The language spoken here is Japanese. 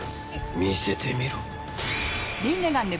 見せてみろ。